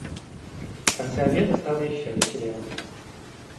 В конце обеда стало еще веселее.